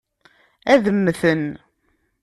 Ad mmten.